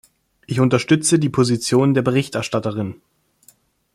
Ich unterstütze die Position der Berichterstatterin.